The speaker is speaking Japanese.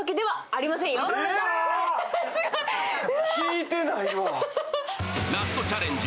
聞いてないわ。